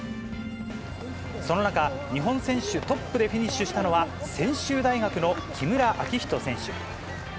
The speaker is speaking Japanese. その中、日本選手トップでフィニッシュしたのは、専修大学の木村暁仁選手。